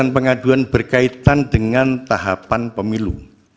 sembilan puluh pengaduan berkaitan dengan tahapan pemilu